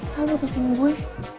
sal butuh istri gue